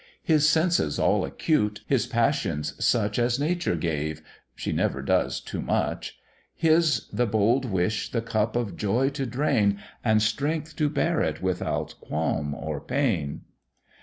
His senses all acute, his passions such As Nature gave she never does too much; His the bold wish the cup of joy to drain, And strength to bear it without qualm or pain.